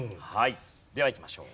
ではいきましょう。